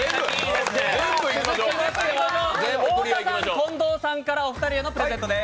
近藤さんからお二人へのプレゼントです。